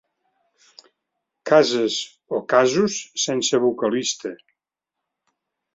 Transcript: Cases o casos sense vocalista.